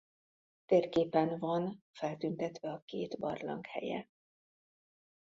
Térképen van feltüntetve a két barlang helye.